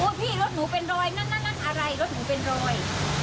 พี่รถหนูเป็นรอยนั่นนั่นอะไรรถหนูเป็นรอย